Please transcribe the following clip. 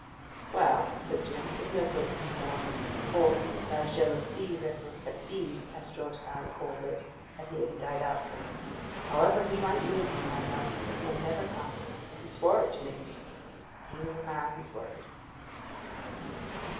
'Well,' said Jim, with no great concern (for 'la jalousie rétrospective,' as George Sand calls it, had nearly died out of him), 'however he might move 'ee, my love, he'll never come. He swore it to me: and he was a man of his word.